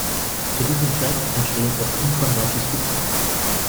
Zu diesem Zweck entstehen oft umfangreichen Skizzen.